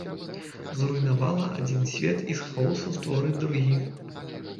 Зруйнавала адзін свет і з хаосу творыць другі.